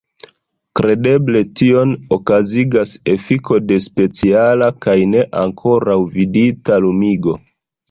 Kredeble tion okazigas efiko de speciala kaj ne ankoraŭ vidita lumigo.